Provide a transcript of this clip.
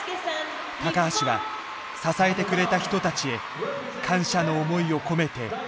橋は支えてくれた人たちへ感謝の思いを込めて演じる。